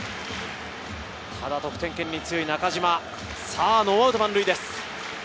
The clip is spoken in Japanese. ただ得点圏に強い中島、ノーアウト満塁です。